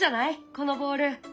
このボール。